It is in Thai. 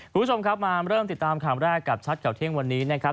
คุณผู้ชมครับมาเริ่มติดตามข่าวแรกกับชัดข่าวเที่ยงวันนี้นะครับ